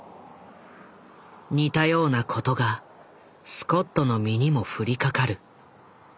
似たようなことがスコットの身にも降りかかる。